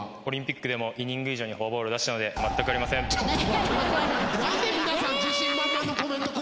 オリンピックでもイニング以上にフォアボールを出したので。